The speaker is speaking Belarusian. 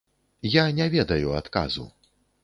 Я не ведаю адказу.